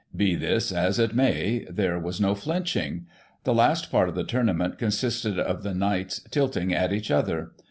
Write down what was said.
Be this as it may, there was no flinching. The last part of the tournament consisted of the Kjiights tilting at each other.